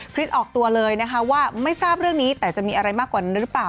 ออกตัวเลยนะคะว่าไม่ทราบเรื่องนี้แต่จะมีอะไรมากกว่านั้นหรือเปล่า